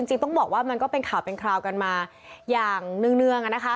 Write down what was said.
จริงต้องบอกว่ามันก็เป็นข่าวเป็นคราวกันมาอย่างเนื่องนะคะ